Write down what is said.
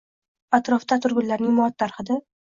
Atrofda atirgullarning muattar hidi